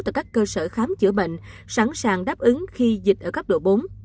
tại các cơ sở khám chữa bệnh sẵn sàng đáp ứng khi dịch ở cấp độ bốn